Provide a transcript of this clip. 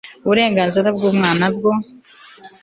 uburenganzira bw umwana bwo